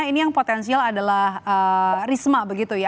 ini yang potensial adalah risma begitu ya